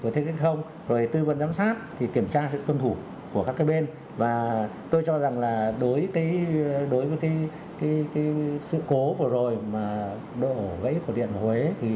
thì thiết kế đường dây điện là